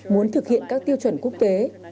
muốn thực hiện các tiêu chuẩn quốc tế